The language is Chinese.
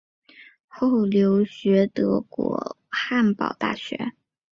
后留学德国汉堡大学。